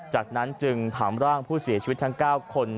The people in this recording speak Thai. จากนั้นจึงถามร่างผู้เสียชีวิตทั้ง๙คน